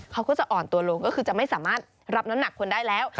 เขาก็จะอ่อนตัวลงก็คือจะไม่สามารถรับน้ำหนักคนได้แล้ว